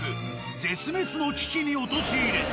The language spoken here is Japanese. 絶滅の危機に陥れた。